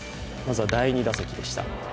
第２打席でした。